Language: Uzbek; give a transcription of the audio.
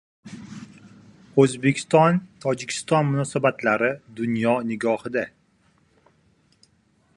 O‘zbekiston — Tojikiston munosabatlari dunyo nigohida